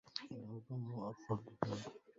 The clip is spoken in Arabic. الهجوم هو أفضل دفاع.